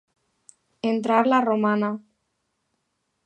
Entrar la romana.